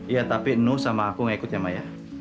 iya tapi nuh sama aku gak ikut ya maya